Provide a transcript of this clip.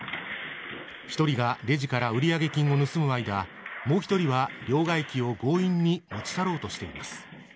１人がレジから売上金を盗む間もう１人は両替機を強引に持ち去ろうとしています。